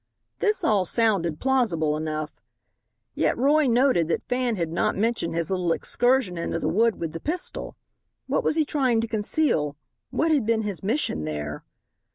This all sounded plausible enough. Yet Roy noted that Fan had not mentioned his little excursion into the wood with the pistol. What was he trying to conceal? What had been his mission there?